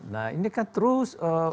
nah ini kan terus